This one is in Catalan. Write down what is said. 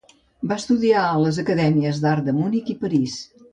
Va estudiar a les acadèmies d'art de Munic i París.